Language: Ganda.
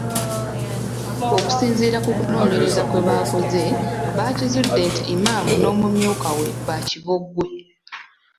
Okusinziira ku kunoonyereza kwe baakoze baakizudde nti Imam n'omumyuka we baakibogwe.